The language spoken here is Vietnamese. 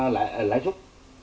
một trăm linh lãi xuất